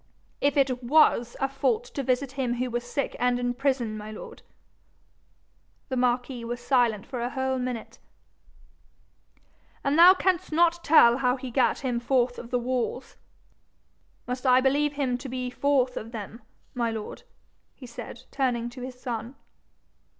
'If it WAS a fault to visit him who was sick and in prison, my lord.' The marquis was silent for a whole minute. 'And thou canst not tell how he gat him forth of the walls? Must I believe him to be forth of them, my lord?' he said, turning to his son.